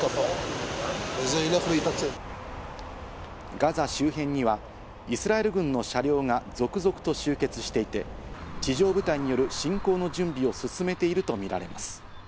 ガザ周辺にはイスラエル軍の車両が続々と集結していて、地上部隊による進行の準備を進めているとみられます。